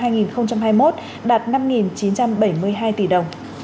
tổng số tiền thu phí sử dụng đường bộ ô tô đạt năm chín trăm bảy mươi hai tỷ đồng